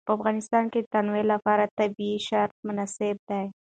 په افغانستان کې د تنوع لپاره طبیعي شرایط مناسب دي.